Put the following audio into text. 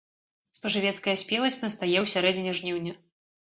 Спажывецкая спеласць настае ў сярэдзіне жніўня.